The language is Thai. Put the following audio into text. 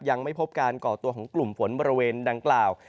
ยังไม่พบการก่อตัวของกลุ่มฝนบริเวณดังกล่าว